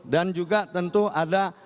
dan juga tentu ada